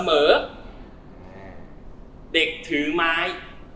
เหมือนเด็กถือไม้